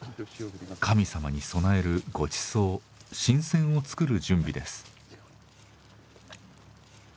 神さまに供えるごちそう神饌を作る準備です。